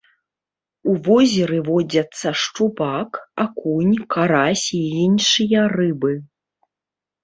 У возеры водзяцца шчупак, акунь, карась і іншыя рыбы.